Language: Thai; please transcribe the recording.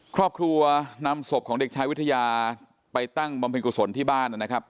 ครอบครัวนำศพของเด็กชายวิทยาไปตั้งบำเพ็ญกุศลที่บ้านนะครับ